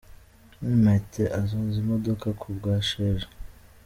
Mani Martin azoze imodoka kubwa Sheja.